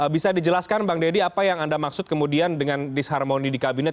bisa dijelaskan bang deddy apa yang anda maksud kemudian dengan disharmoni di kabinet